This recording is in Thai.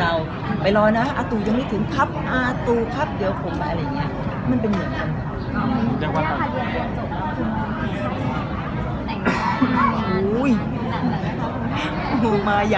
มาใหญ่อีกแล้วลูก